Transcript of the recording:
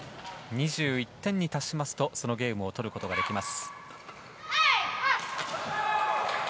２１点に達しますとそのゲームを取ることができます。